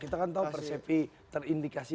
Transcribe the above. kita kan tahu persepi terindikasi